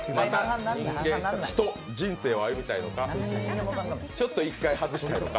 人、人生を歩みたいのかちょっと１回外したいのか。